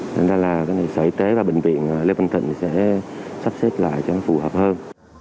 thế nên là sở y tế và bệnh viện lê văn thịnh sẽ sắp xếp lại cho nó phù hợp hơn